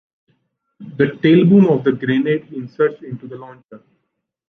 The tailboom of the grenade inserts into the launcher.